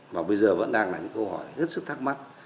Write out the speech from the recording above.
và bây giờ vẫn đang là những câu hỏi hết sức thắc mắc